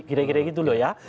kira kira gitu loh ya